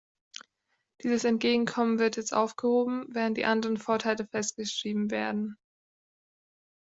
Dieses Entgegenkommen wird jetzt aufgehoben, während die anderen Vorteile festgeschrieben werden.